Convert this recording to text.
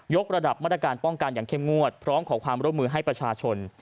กระดับมาตรการป้องกันอย่างเข้มงวดพร้อมขอความร่วมมือให้ประชาชน